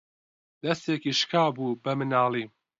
دەستێکی شکا بوو بە مناڵی